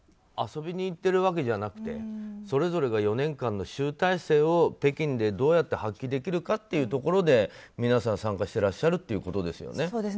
遊びに行ってるわけじゃなくてそれぞれが４年間の集大成を北京でどうやって発揮できるかというところで皆さん、参加していらっしゃるということですよね。